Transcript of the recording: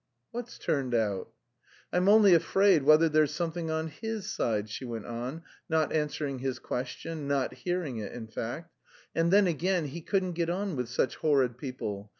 "What's turned out?" "I'm only afraid whether there's something on his side," she went on, not answering his question, not hearing it in fact. "And then, again, he couldn't get on with such horrid people.